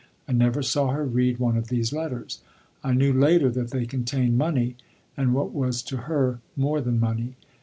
I never saw her read one of these letters. I knew later that they contained money and what was to her more than money.